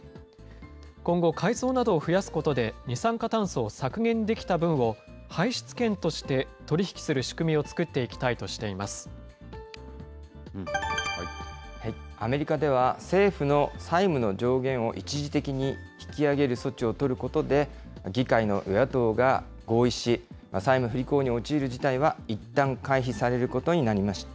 今後、海草などを増やすことで、二酸化炭素を削減できた分を排出権として取り引きする仕組みを作アメリカでは、政府の債務の上限を一時的に引き上げる措置を取ることで、議会の与野党が合意し、債務不履行に陥る事態はいったん回避されることになりました。